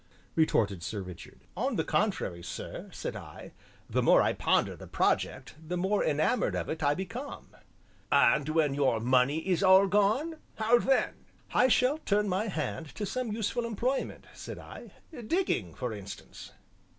retorted Sir Richard. "On the contrary, sir," said I, "the more I ponder the project, the more enamored of it I become." "And when your money is all gone how then?" "I shall turn my hand to some useful employment," said I; "digging, for instance."